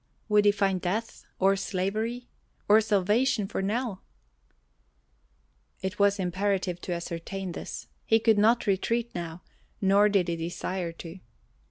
Would he find death, or slavery, or salvation for Nell? It was imperative to ascertain this. He could not retreat now, nor did he desire to.